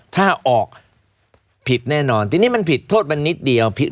ถ้าออกผิดแน่นอนทีนี้มันผิดโทษมันนิดเดียว